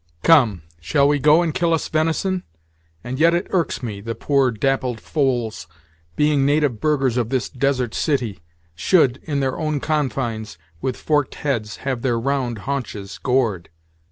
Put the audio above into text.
"Come, shall we go and kill us venison? And yet it irks me, the poor dappled foals, Being native burghers of this desert city, Should, in their own confines, with forked heads Have their round haunches gored."